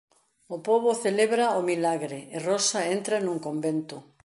O pobo celebra o milagre e Rosa entra nun convento.